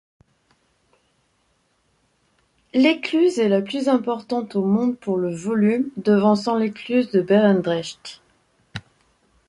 L'écluse est la plus importante au monde pour le volume, devançant l'écluse de Berendrecht.